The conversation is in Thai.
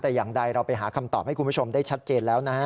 แต่อย่างใดเราไปหาคำตอบให้คุณผู้ชมได้ชัดเจนแล้วนะฮะ